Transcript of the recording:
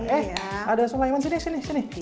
eh ada sulaiman sini sini